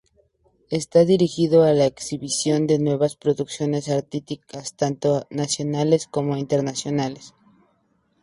Está dirigido a la exhibición de nuevas producciones artísticas, tanto nacionales como internacionales.